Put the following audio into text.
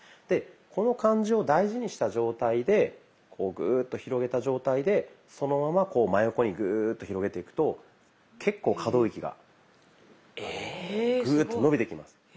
でこの感じを大事にした状態でこうグーッと広げた状態でそのままこう真横にグーッと広げていくと結構可動域がグーッと伸びてきます。